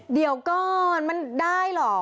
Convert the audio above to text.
เดี๋ยวก่อนมันได้เหรอ